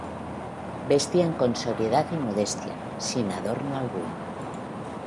Vestían con sobriedad y modestia, sin adorno alguno.